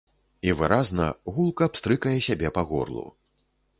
І выразна, гулка пстрыкае сябе па горлу.